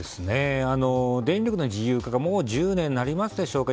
電力の自由化がもう１０年になりますでしょうか。